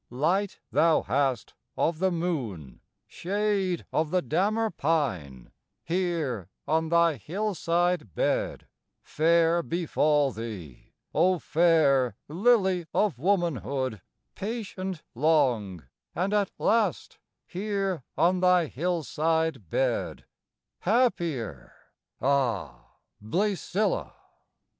III Light thou hast of the moon, Shade of the dammar pine, Here on thy hillside bed; Fair befall thee, O fair Lily of womanhood, Patient long, and at last Here on thy hillside bed, Happier: ah, Blæsilla!